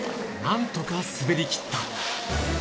なんとか滑りきった。